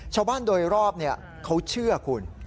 ชาวบ้านโดยรอบเขาเชื่อคุณ